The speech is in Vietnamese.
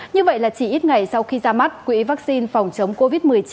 như vậy là chỉ ít ngày sau khi ra mắt quỹ vắc xin phòng chống covid một mươi chín